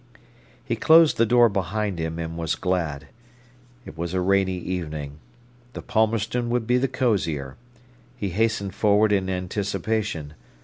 He closed the door behind him, and was glad. It was a rainy evening. The Palmerston would be the cosier. He hastened forward in anticipation.